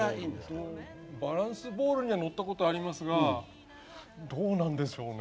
バランスボールには乗ったことありますがどうなんでしょうね。